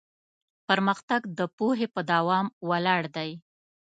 پرمختګ د پوهې په دوام ولاړ دی.